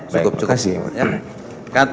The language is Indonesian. baik terima kasih